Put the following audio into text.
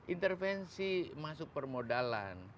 intervensi masuk permodalan